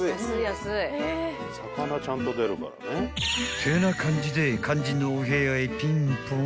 ［ってな感じで肝心のお部屋へピンポン］